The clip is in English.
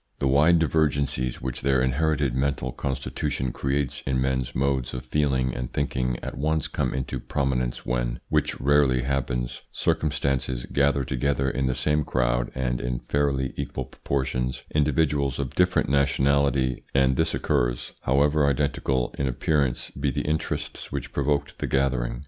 The wide divergencies which their inherited mental constitution creates in men's modes of feeling and thinking at once come into prominence when, which rarely happens, circumstances gather together in the same crowd and in fairly equal proportions individuals of different nationality, and this occurs, however identical in appearance be the interests which provoked the gathering.